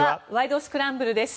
スクランブル」です。